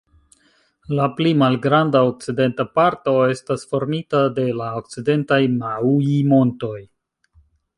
La pli malgranda okcidenta parto estas formita de la Okcidentaj Maui-montoj.